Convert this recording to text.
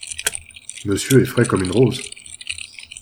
Monsieur est frais comme une rose !…